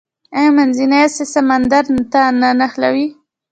آیا منځنۍ اسیا سمندر ته نه نښلوي؟